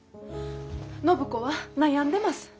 暢子は悩んでます。